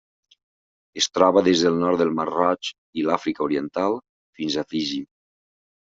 Es troba des del nord del Mar Roig i l'Àfrica Oriental fins a Fiji.